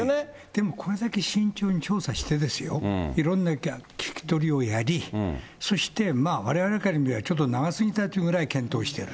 でもこれだけ慎重に調査してですよ、いろんな聞き取りをやり、そしてわれわれから見たら、ちょっと長すぎたというぐらい検討してる。